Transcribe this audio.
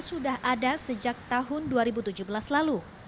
sudah ada sejak tahun dua ribu tujuh belas lalu